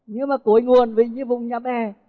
nhưng mà cối nguồn với những vùng nhà bè